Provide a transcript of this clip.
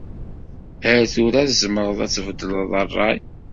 Ar tura tzemreḍ ad tbeddleḍ rray.